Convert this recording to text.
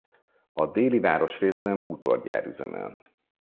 A déli városrészben bútorgyár üzemel.